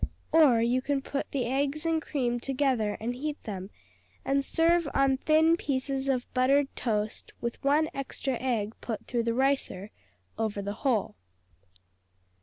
Or you can put the eggs and cream together and heat them, and serve on thin pieces of buttered toast, with one extra egg put through the ricer over the whole.